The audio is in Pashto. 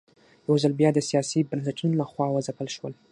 یوځل بیا د سیاسي بنسټونو له خوا وځپل شول.